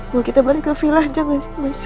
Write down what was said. bawa kita balik ke villa jangan mas